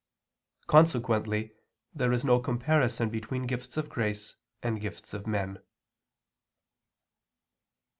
Consequently, there is no comparison between gifts of grace and gifts of men.